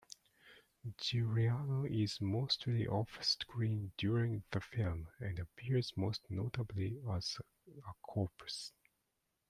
Giuliano is mostly off-screen during the film and appears most notably as a corpse.